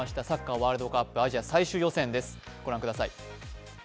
ワールドカップアジア最終予選です。